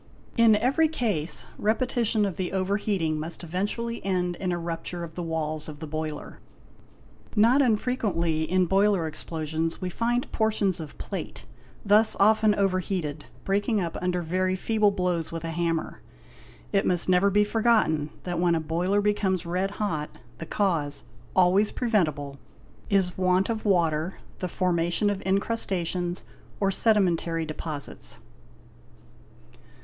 In every case, repetition of the over heating must eventually end in a _ rupture of the walls of the boiler. Not unfrequently in boiler explosions we find portions of plate, thus | if often over heated, breaking up under very feeble blows with a hammer. It must never be forgotten that, when a boiler becomes red hot, the cause—always preventible—is want of water, the formation of incrusta tions, or sedimentary deposits.